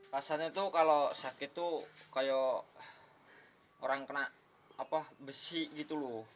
rasanya tuh kalau sakit tuh kayak orang kena besi gitu loh